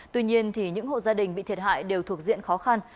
tuy nhiên những hộ gia đình bị thiệt hại đều thuộc diện khó khăn